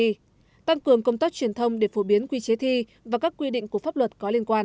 thứ bảy tăng cường công tóc truyền thông để phổ biến quy chế thi và các quy định của pháp luật có liên quan